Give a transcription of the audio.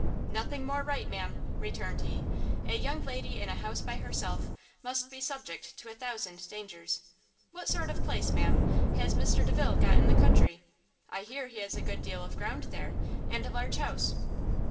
"Nothing more right, ma'am!" returned he; "a young lady in a house by herself must be subject to a thousand dangers. What sort of place, ma'am, has Mr Delvile got in the country? I hear he has a good deal of ground there, and a large house."